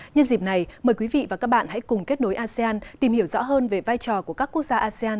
nhân dịp này mời quý vị và các bạn hãy cùng kết nối asean tìm hiểu rõ hơn về vai trò của các quốc gia asean